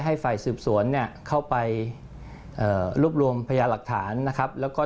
ให้ฝ่ายสืบสวนเนี่ยเข้าไปเอ่อรวบรวมพยาหลักฐานนะครับแล้วก็